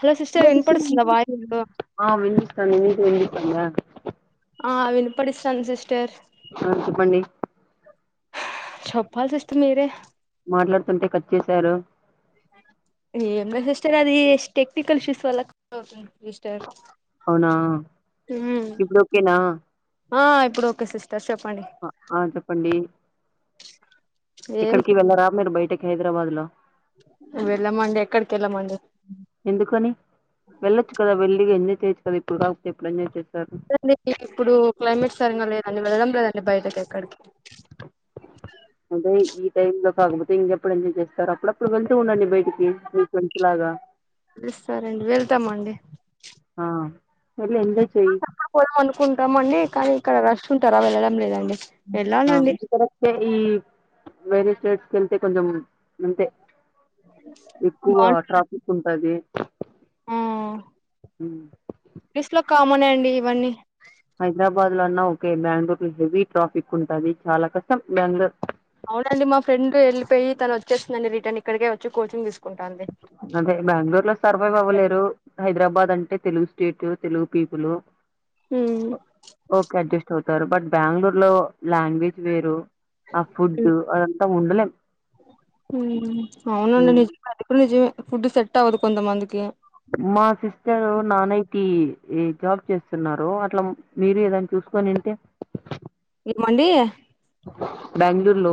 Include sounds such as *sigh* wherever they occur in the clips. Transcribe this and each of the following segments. Hello sister వినపడుస్తుందా voice వినిపిస్తోందా ఆ వినిపిస్తాంది మీకు వినిపిస్తోందా అ *inaudible* ఆ వినిపడిస్థాంది సిస్టర్ ఆ చెప్పండి చెప్పాల్ సిస్టర్ మీరే మాట్లాడుతుంటే కట్ చేశారు ఏంలేదు సిస్టర్ అది ఎ టెక్నికల్ ఇష్యూస్ వల్ల కట్ అవుతాంది అవునా మ్ ఇప్పుడు ఓకేనా ఆ ఇప్పుడు ఓకే సిస్ట ఆ చెప్పండి ఏం ఎక్కడికి వెళ్లరాా మీరు బయటకి హైదరాబాద్ లో వెళ్ళమండి ఎక్కడికి వెళ్ళమండి వెళ్లొచ్చు కదా వెళ్లి ఎంజాయ్ చేయొచ్చు కదా ఇప్పుడు కాకపోతే ఇంకెప్పుడు లేదండి ఇప్పుడు క్లైమేట్ సరంగా లేదని వెళ్ళడం లేదండి బయటకి ఎక్కడికి అంటే ఈ టైమ్ లో కాకపోతే ఇంకెప్పుడు ఎంజాయ్ చేస్తారు అప్పుడప్పుడు వెళ్తూ ఉండండి బయటికి మీ ఫ్రెండ్స్ లాగా పిలుస్తారండి వెళ్తామండి ఆ వెళ్ళి ఎంజాయ్ చెయ్యి పోదాం పోదాం అనుకుంటామ అండి కానీ ఇక్కడ రష్ ఉంటారా వెళ్ళడం లేదండి వెళ్ళాలండి *unintelligible* వెళ్తే కొంచెం అంతే ఎక్కువ బాగుంట ట్రాఫిక్ ఉంటది ఆ ఉమ్ లిస్ట్ లో కామనే అండి ఇవన్నీ హైదరాబాద్ లో అన్నా ఓకే బెంగళూరు హెవీ ట్రాఫిక్ ఉంటది చాలా కష్టం బెంగళూరు అవునండి మా ఫ్రెండ్ వెళ్ళిపోయి తను వచ్చేస్తుందండి. రిటన్ ఇక్కడికే వచ్చి కోచింగ్ తీస్ అదే బెంగళూరు లో సర్‌వైవ్ అవ్వలేరు హైదరాబాద్ అంటే Telugu state Telugu people hmm. Okay adjust అవుతు సరే బట్ బెంగళూరు లో లాంగ్వేజ్ వేరు ఆ ఫుడ్ అదంతా ఉండలేం. ఉమ్ అవునండి ఉమ్. నిజమే అది కూడా నిజమే ఫుడ్ సెట్ అవ్వదు కొంతమందికి. మా సిస్టర్ నానైటి జాబ్ చేస్తున్నారు అట్లా మీరు ఏదనా చూ చూసుకొనింటే మందీ బెంగళూరులో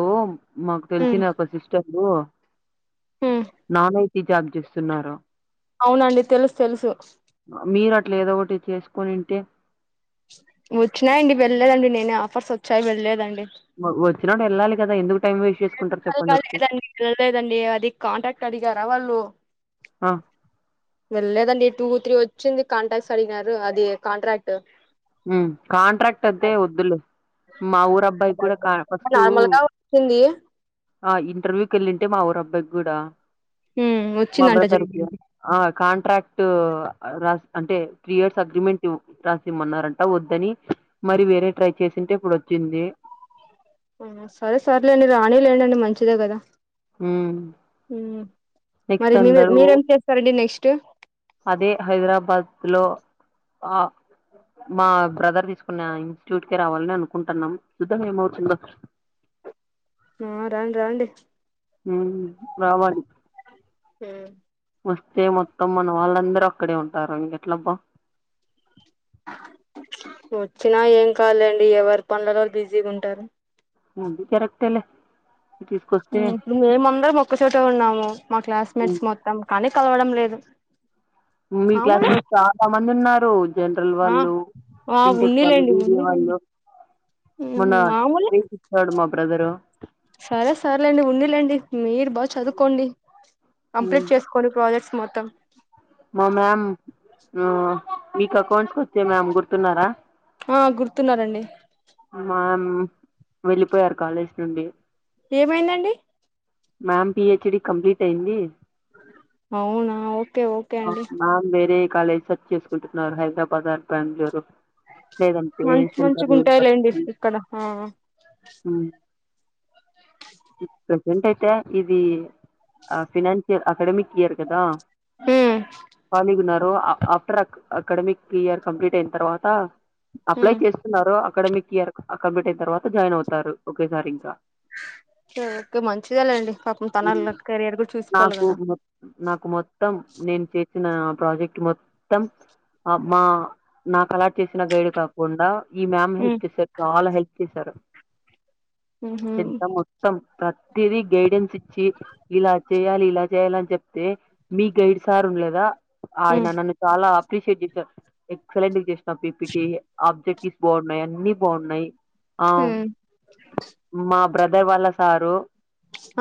మాకు హ్మ్. తెలిసిన ఒక సిస్టరు హ్మ్. నానయిటి జాబ్ చేస్తున్నారు అవునండి తెలుసు తెలుసు మీరు ఏదో ఒకటి చేసుకొనింటే వచ్చినాయండి. వెళ్లేదండి నేనే ఆఫర్స్ వచ్చాయి వెళ్ళలేదండి. వచ్చినాక ఎల్లాలి కదా ఎందుకు టైం వేస్ట్ చేసుకుంటారు చెప్పండి ఊరికే లేదండి వెలలేదండి అది కాంటాక్ట్ అడిగారా వాళ్ళు ఆ వెళ్ళలేదండి టూ త్రీ వచ్చింది కాంట్రాక్ట్స్ అడిగినారు. అది కాంట్రాక్ట్ ఆ కాంట్రాక్ట్ వద్దే వద్దులు మా ఊరు అబ్బాయి కూడా కా ఫస్టు నార్మల్ గా వచ్చింది ఆ ఇంటర్వ్యూకి వెళ్ళింటే మా ఊరు అబ్బాయికి కూడా హ్మ్. మా వచ్చిందంట బ్రదర్కి జరిగింది ఆ కాంట్రాక్ట్ రాస్ అంటే త్రీ ఇయర్స్ అగ్రిమెంట్ రాసిమన్నారం అ వద్దని మరి వేరే ట్రై చేసింటే ఇప్పుడు వచ్చింది. ఉ సరే సరలేండి రాని లేండి మంచిదే కదా ఉమ్ ఉ మరి నెక్స్ట్ మీ అందరూ మీరేం చేస్తారండి నెక్స్ట్ అదే హైదరాబాద్ లో ఆ మా బ్రదర్ తీసుకున్న ఇన్స్టిట్యూట్ కి రావాలని అనుకుంటున్నాం. చూద్దాం ఏమవుతుందో ఆ రాండి రాండి హ రావాలి వస్తే మొత్తం మన వాళ్ళందరూ అక్కడే ఉంటారు. ఎట్లా అబా వచ్చినా ఏం కాదు లేండి ఎవరి పనులలో వాళ్ళు బిజీగా ఉంటారు అది కరెక్ట్ ఏలె ఉ మేమందర మొక్కచోటే ఉన్నాము మా క్లాస్ మేట్స్ మొత్తం కానీ కలవడం లేదు మీ మామూలే క్లాస్మేట్ చాలా మంది ఉన్నారు జనరల్ ఆ వాళ్ళు ఆ ఇంటెక్ వాళ్ళు ఉన్నిలేండి మీడియ ఉన్నిలేండి వాళ్ళు మొన్న మామూలే ట్రీట్ ఇచ్చాడు మా బ్రదరు సరే సరలేండి ఉండండి మీరు బాగా చదువుకోండి. కంప్లీట్ చేసుకోండి ప్రాజెక్ట్స్ మొత్తం మా మ్యామ్ అ మీక్ అకౌంట్స్ వచ్చే మ్యామ్ గుర్తున్నారా ఆ గుర్తున్నారండి మామ్ వెళ్ళిపోయారు కాలేజ్ నుండి ఏమైందండి మ్యామ్ పిహెచ్ డి కంప్లీట్ అయింది అవునా ఓకే ఓకే అండి మ్యామ్ వేరే కాలేజ్ సర్చ్ చేసుకుంటున్నారు హైదరాబాద్ బెంగళూరు లేదంటే మంచి మంచిగా సెంటరు ఉంటాయిలేండి ఇక్కడ ఆ ఉ ప్రెసెంట్ అయితే ఇది ఆ ఫినాన్షియల్ అకడమిక్ రఇయరు కదా ఉమ్ కాళీగున్నారు ఆఫ్టర్ అక్ అకడమిక్ ఇయర్ కంప్లీట్ అయిన తర్వాత అప్లై ఉమ్ చేస్తున్నారు అకాడమిక్ ఇయర్ కంప్లీట్ అయిన తర్వాత జాయిన్ అవుతారు. ఒకేసారి ఇంకా ఆ కూడా చూసుకోవాలి నాకు కదా ము నాకు మొత్తం నేను చేసిన ప్రాజెక్ట్ మొత్తం మా నాకలట్ చేసిన గైడ్ కాకుండా ఈ మ్యామ్ ఉమ్ హెల్ప్ చేసారు చాలా హెల్ప్ చేసారు ఉహు ఎంత మొత్తం ప్ర తిదీ గైడెన్స్ ఇచ్చి ఇలా చేయాలి ఇలా చేయాలి అని చెప్తే మీ గైడ్ సార్ ఉండలేదా ఆయన ఉమ్ నన్ను చాలా అప్రిషియేట్ చేసారు ఎక్సలెంట్ చేసినా పిపిటి ఆబ్జెక్టిస్ బాగున్నాయి అన్ని బాగున్నాయి ఆవ్ ఉమ్ మా బ్రదర్ వళ్ళ సారు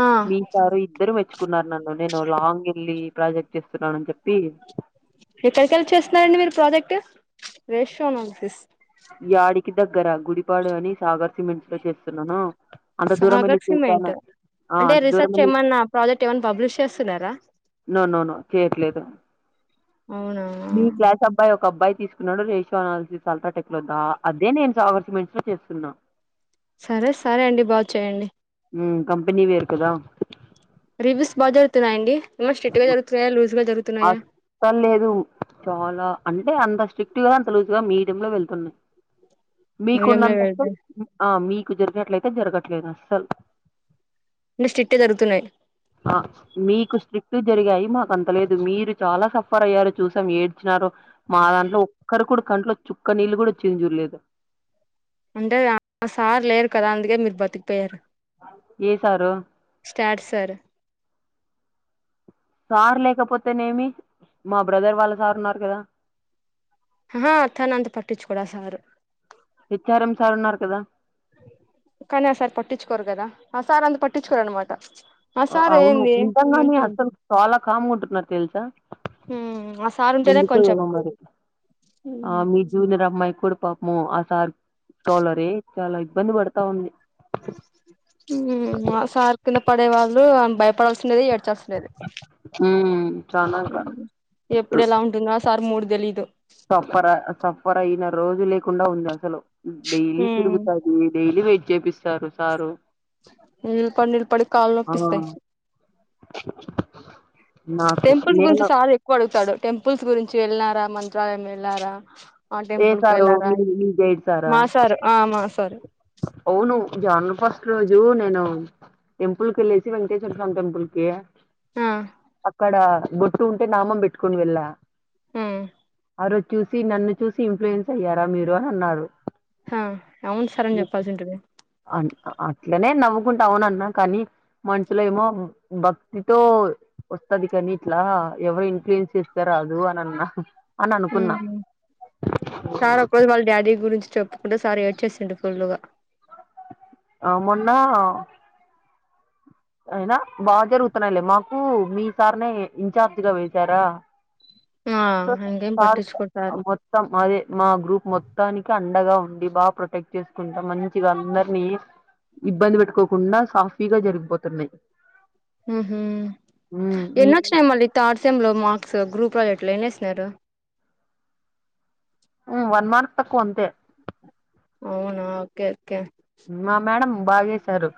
ఆ మీ సారు ఇద్దరు మెచ్చుకున్నారు నన్ను నేను లాంగ్ ఎల్లి ప్రాజెక్ట్ చేస్తున్నానని చెప్పి ఎక్కడికి ఎల్లి చేస్తున్నారండి మీరు ప్రాజెక్ట్ రేషో అనాలసిస్ యాడికి దగ్గర గుడిపాడు అని సాగర్ సిమెంట్స్ లో చేస్తున్నాను అంత దూరం మెల్లి సాగర్ చేసానా సిమెంట్ అంటే రీసెర్చ్ ఏమన్నా ప్రాజెక్ట్ ఏమన్నా పబ్లిష్ చేస్తున్నారా నొ నో నొ చెయట్లేదు అవునా మీ క్లాస్ అబ్బాయి ఒక అబ్బాయి తీసుకున్నాడు రేషో అనాలిసిస్ అల్టాటెక్ లో దా అదే నేను జావర్ సిమెంట్స్ లో చేస్తున్నా సరే సరే అండి బాగు చేయండి ఉమ్ కంపెనీ వేరుకదా రివ్యూస్ బా జరుతున్నా అండి ఏమో స్రిక్ట్గా జరుగుతున్నాయా లూస్ గా జరు అస్సల్ లేదు చాలా అంటే అంత స్ట్రిక్ట్ గా అంత లూజ్గా మీడియ లో వెళ్తున్నాయి మీడియం లో మీకున్నంత వెళ్తాయి ఆ మీకు జరిగినట్లయితే జరగట్లేదు అస్సలు అంటే స్ట్రిక్ట్ గా జరుగుతున్నాయి ఆ మీకు స్ట్రిక్ట్ జరిగాయి మాకు అంత లేదు మీరు చాలా సఫ్ఫర్ అయ్యారు చూసాం ఏడ్చినారు మా దాంట్లో ఒక్కరు కూడా కంట్లో చుక్క నీళ్ళు కూడా చ్చుం చుడ్లేదు అంటే అ సార్ లేరు కదా అందుకే మీరు బతికిపోయారు ఏ సారు ఫ్యాడ్ సార్ సార్ లేకపోతేనేమి మా బ్రదర్ వాళ్ళ సార్ ఉన్నారు కదా అ హా తన అంత పట్టిచ్చుకోడా సారు హెచ్ఆర్ఎం సార్ ఉన్నారు కదా కానీ ఆ సార్ పట్టించుకోరు కదా ఆ సార్ అంత పట్టించుకోరు అనమాట ఆ సార్ అవును ఏంది నిజంగానే మంచిగుంట అసలు చాలా కాముగ ఉంటున్నారు తెలుసా ఆ సార్ ఉంటేనే కొంచెం ముందుకుఏమో మరి ఆ మీ ఉమ్, జూనిర్ అమ్ మై కూడి పాపము ఆ సార్ స్టోలరే చాలా ఇబ్బంది పడతా ఉంది ఉమ్ అ సార్ కింద పడే వాళ్ళు అ భయపడాల్సిండేది ఎడ్ తస్లేదు ఉమ్ చానా క ఉమ్ ఎప్పుడు ఎలా ఉంటుందో అ సార్ మూడు తెలీయదు సఫరా సఫర అయిన రోజు లేకుండా ఉంది అసలు డైలీ ఉమ్, తిరుగుతది డైలీ వెట్ చేపిస్తారు సారు ఉమ్ కొన్నిలిపడి కాళ్ ఆ నొప్పిస్తాయి నాకు టెంపుల్స్ గురించి నేను చాలా ఎక్కువ అడుగుతడు టెంపుల్స్ గురించి వెళ్ళినారా మంత్రాలయం ఎలారా ఆ ఏ టెంపుల్ కు సారు వెళ్ళారా మీ మీ గైడ్ సారా మాసారు ఆ మాసారు అవును జనవరి ఫస్ట్ రోజు నేను టెంపుల్ కి ఎల్లేసి వెంకటేశ్వర స్వామి టెంపుల్ కి ఆ అక్కడ బొట్టు ఉంటే నామం పెట్టుకొని వెళ్ళ ఉమ్ ఆ రోజు చూసి నన్ను చూసి ఇన్ఫ్లుయెన్స్ అయ్యారా మీరు అని అన్నారు హ అవును సార్ అని చెప్పాల్సి ఉంటిమి అన్ అట్లనే నవ్వుకుంట అవునన్నా కనీ మనుషులేమో భక్తితో ఒస్తది కనీ ఇట్లా ఎవరి ఇన్ఫ్లుయెన్స్ చేస్తే రాదు అనన్నా అననుకున్నా ఉమ్ సార్ ఒక్రోజు వాళ్ళ డాడీ గురించి చెప్పుకుంట సార్ ఏడ్చేశిండు ఫుల్లుగా ఆ మొన్నా అయినా బాగ జరుగుతున్నాయ్లే, మాకూ మీ సార్నే ఇన్ఛార్జ్గా వేసారా ఆ స ఇంకేం సార్ పట్టించుకోడు సార్ మొత్తం అదే మా గ్రూప్ మొత్తానికన్ అండగా ఉండి బాగ ప్రొటెక్ట్ చేసుకుంటాం మంచిగ అందరినీ ఇబ్బంది బేట్టుకోకుండా సాఫీగా జరిగిపోతున్నయి ఉమ్ హు, ఈ ఎన్నోచ్చినయ్ మళ్ళీ థార్డ్ సెమ్లో మాక్ సా గ్రూప్లొ ఎట్లని ఎసినారు ఉమ్ వన్ మార్క్ తక్కువ అంతే అవునా ఓకే ఓకే మా మాడం బాగేశారు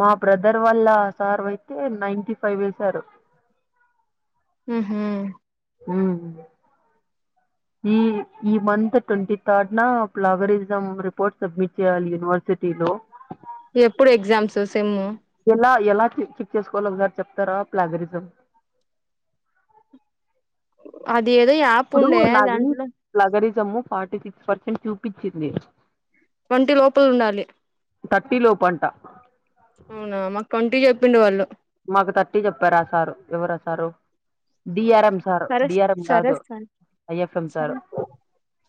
మా బ్రదర్ వాళ్ళ సార్వయితే నైన్టీ ఫైవ్ ఏసారు ఉమ్ ఉమ్ ఈ ఈ మంత్ ట్వంటీ థర్డ్ నా ప్లవరిజం రిపోర్ట్ సబ్మిట్ చేయాలి యూనివర్సిటీ లో ఎప్పుడు ఎగ్జామ్స్ సెమ్ లా ఎలా చి చిక్ చేసుకోవాలో ఒకసారి చెప్తారా ప్లాగరిజం అది ఏదో యాప్ ఉండే దాంట్లో సమ్ము ఫార్టీ సిక్స్ పర్సెంట్ చూపిచ్చింది ట్వంటి లోపలుండాలి థర్టీ లోపంట పిండు వాళ్ళు మాకు థర్టీ చెప్పారా సారు, ఎవరా సారు డిఆర్ఎం సారు సరే డిఆర్ఎం సర కాదు సరే ఐఎఫ్ఎం సరే సారు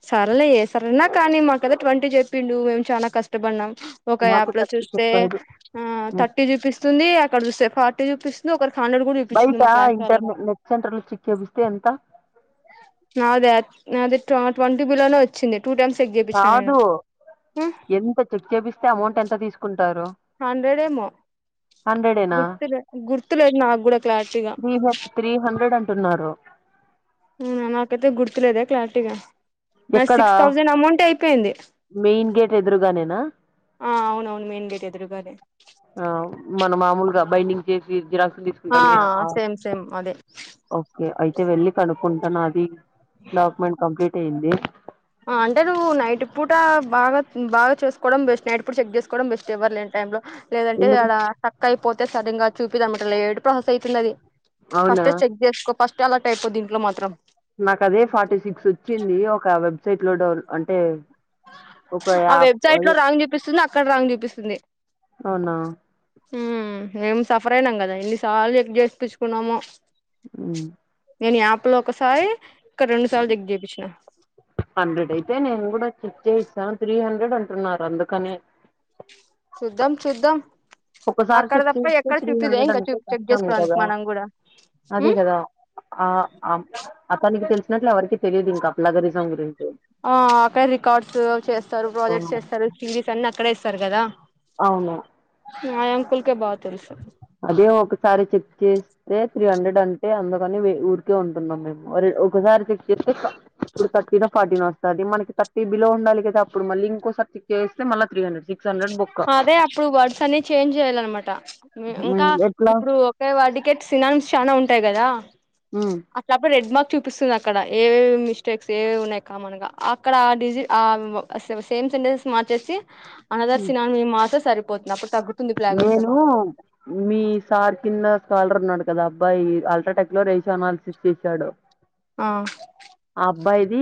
సర్లే ఏ సారన్న కానీ మా కదే ట్వంటీ జెప్పిన్డూ మేము చానా కష్టబడినాం ఒక మాకు యాప్ ల థర్టీ చూస్తే చెప్పారు ఆ థర్టీ జూపిస్తుంది అక్కడ జూస్తే బయటా క్లాస్ ఇంటర్న వాళ్ళకి నెట్ సెంటర్లో చిక్ చేపిస్తే ఎంత నాదా నాది ట్వ ట్వంటి బిలో నే ఒచ్చింది టూ టైమ్స్ చెక్ జేపిచ్చిన నేను కాదు ఎంత చెక్ చేపిస్తే అమౌంట్ ఎంత తీసుకుంటారు హండ్రెడేమో హండ్రెడేనా గుర్తులే గుర్తులేదు నాగ్గుడా క్లారిటీగా తున్నరో అవునా నాకైతే గుర్తులేదే క్లారిటీగా నాది ఎక్కడ సిక్స్ థౌజండ్ అమౌంట్ అయిపోయింది మెయిన్ గేట్ ఎదురుగానేనా ఆ అవును అవును మెయిన్ గేట్ ఎదురుగానే ఆ మనం మామూలుగా బైండింగ్ జేసి జిరాక్సులు తీసుకుంటామే ఆ సేమ్ సేమ్ అదే ఓకే అయితే వెళ్ళి కనుక్కుంట నాది డాక్యుమెంట్ కంప్లీట్ అయ్యింది ఆ అంటే నువ్వు నైట్ పూట బాగా ఉమ్ బాగా చేసుకోవడం బేస్ట్ నైట్ పూట చెక్ జేసుక్ కోవడం బెస్ట్ ఎవ్వర్ లేని టైమ్లో లేదంటే ఎందుకు ఆడ పక్క పోతే సడన్గా చూపిదామని పోతే లేటు ప్రాసెస్ అయితుందది అవునా ఫస్ట్ చెక్ జేస్కో ఫస్ట్ అలర్టయిపొదీంట్లో మాత్రం నాకు సైట్ లో డౌన్ అంటే ఒక ఆ యాప్ వెబ్సైట్ లో అదే రాంగ్ జూపిస్తుంది అక్కడ రాంగ్ జూపిస్తుంది అవునా ఉమ్ మేం సఫర్ అయినం గదా ఎన్నిసార్లు చెక్ జెక్ చెపిచ్చుకున్నమో ఉమ్. నేను ఎప్లో ఒకసారి ఇక్కడ రెండు సార్లు చెక్ జేపించిన హండ్రెడ్ అయితే నేను గూడా చెక్ చేయిస్తాను త్రీ హండ్రెడ్ అంటున్నారు అందుకనే చూద్దాం చూద్దాం ఒకసారి అక్కడ చెక్ తప్ప చేస్తే ఎక్కడ త్రీ చూపిదే హండ్రెడ్ ఇంకా అంటే చెక్ కష్టమే చేసుకోవడానికి కదా మనం కూడా ఉ అదే కదా ఆ అతనికి తెలిసినట్లు ఎవరికీ తెలియదు ఇంకా ప్లగరిజం గురించి ఆ అక్కడ రికార్డ్స్ చేస్తారు ఆ ప్రాజెక్ట్స్ చేస్తారు సిరీస్ అన్ని అక్కడే ఇస్తారు కదా అవును ఆ అంకుల్ కె బా తెలుసు అదే ఒకసారి చెక్ చేస్తే త్రీ హండ్రెడ్ అంటే అందుకని ఊరికే ఉంటున్నాం మేమ్ ఒకసారి చెక్ చేస్తే ఇప్పుడు థటీ ద ఫార్టీనో వస్తాది మనకి థర్టీ బిలో ఉండాలి గదా అప్పుడు మళ్ళీ ఇంకోసర్ చెక్ చేయిస్తే మళ్ళ తీ హండ్రెడ్ సిక్స్ హండ్రెడ్ బొక్క అదే అప్పుడు వర్డ్స్ అన్ని చేంజ్ జేయాలనమాట ఇంకా ఎట్లా ఇప్పుడు ఒకే వర్డ్కె సినమ్స్ చానా ఉంటాయి గదా అట్ల అప్పుడు రెడ్మార్క్ చూపిస్తది అక్కడ ఏ ఏ మిస్టేక్స్ ఏవేవి ఉన్నాయి కామన్ గ అక్కడ ఆ డిజి ఆ సేమ్ సినీల్స్ మార్చేసి అనదర్ సినానిమ్ మారితే సరి నేను మీ సార్ కింద స్కాలర్ ఉన్నాడు కదా అబ్బాయి అల్ట్రాటెక్ లో రేషో అనాలిసిస్ చేసాడు ఆ బ్బాయిది